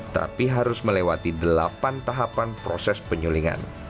tapi harus melewati delapan tahapan proses penyulingan